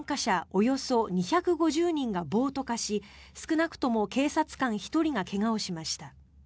およそ２５０人が暴徒化し少なくとも警察官１人が怪我をしました。